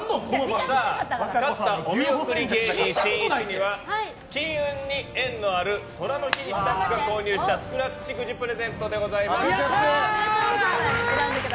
勝ったお見送り芸人しんいちには金運に縁のある寅の日にスタッフが購入したスクラッチくじをやった！